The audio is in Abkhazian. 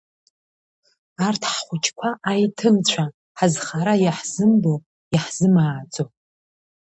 Арҭ ҳхәыҷқәа, аиҭымцәа, ҳазхара иаҳзымбо, иаҳзымааӡо…